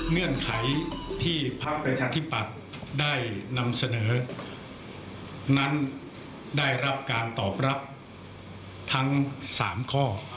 เงื่อนไขที่พักประชาธิปัตย์ได้นำเสนอนั้นได้รับการตอบรับทั้ง๓ข้อ